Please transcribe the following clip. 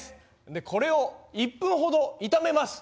でこれを１分ほど炒めます。